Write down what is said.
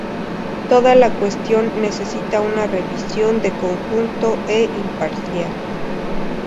Toda la cuestión necesita una revisión de conjunto e imparcial.